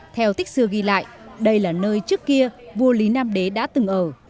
theo tích xưa ghi lại đây là nơi trước kia vua lý nam đế đã từng ở